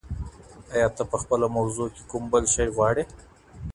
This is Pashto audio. ایا ته په خپله موضوع کي کوم بل شی غواړې؟